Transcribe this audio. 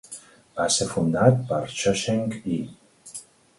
Va ser fundat per Shoshenq I.